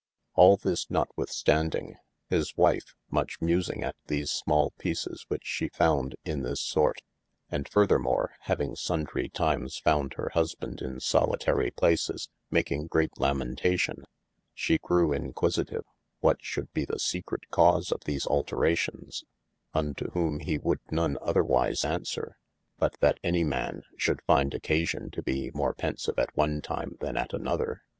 All this notwithstanding his wife much musing at these smal peeces which she founde in this sort, and further more, having sundrye times found hir husband in solitarye places making great lamentation, shee grewe inquisitive, what should be ye secreete cause of these alterations, unto whom he would none otherwise answere, but yl any man should finde occatio to be more pensive at one time than at another.